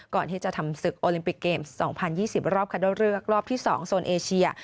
ก่อนที่จะทำศึกโอลิมปิกเกมส์๒๐๒๐รอบคัดเลือกรอบที่๒โซนเอเชีย